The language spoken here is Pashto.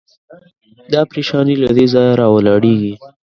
دا پرېشاني له دې ځایه راولاړېږي.